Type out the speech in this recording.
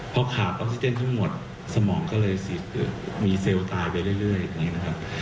พอขาดออกซิเจนทั้งหมดสมองก็เลยมีเซลล์ตายไปเรื่อยอย่างนี้นะครับ